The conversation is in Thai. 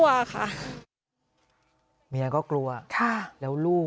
เราเองกลัวไหมมันกลัวในการที่มันเกิดขึ้น